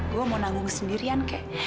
gue mau nanggung sendirian kek